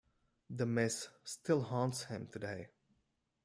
The miss still haunts him today.